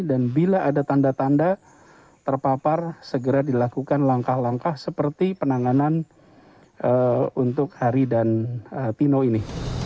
dan bila ada tanda tanda terpapar segera dilakukan langkah langkah seperti penanganan untuk hari dan tino ini